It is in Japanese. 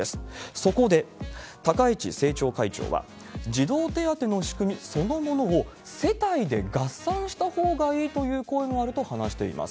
そこで、高市政調会長は、児童手当の仕組みそのものも、世帯で合算したほうがいいという声もあると話しています。